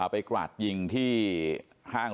กราดยิงที่ห้าง